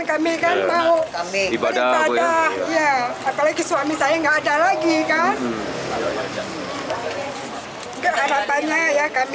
kalau tidak bisa diberangkatkan kami minta kembalikan uang kami